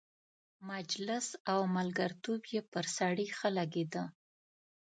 مجلس او ملګرتوب یې پر سړي ښه لګېده.